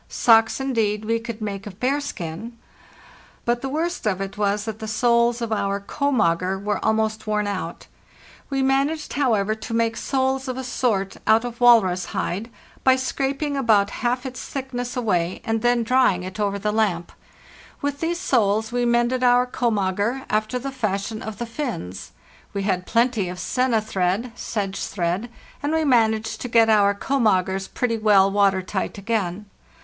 Socks, indeed, we could make of bearskin; but the worst of it was that the soles of our "komager" were almost worn out. We managed, how ever, to make soles of a sort out of walrus hide, by scrap ing about half its thickness away and then drying it over THE NEW VEAR, 1896 455 the lamp. With these soles we mended our " komager," after the fashion of the Finns; we had plenty of "senne" thread (sedge thread), and we managed to get our "ko magers" pretty well water tight again.